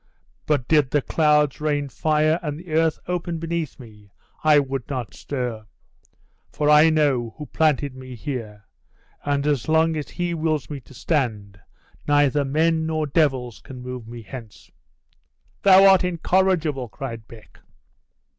But did the clouds rain fire, and the earth open beneath me, I would not stir; for I know who planted me here; and as long as he wills me to stand, neither men nor devils can move me hence." "Thou art incorrigible!" cried Beck.